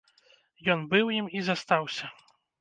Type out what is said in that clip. Ён быў ім і застаўся.